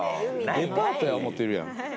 デパートや思うてるやん。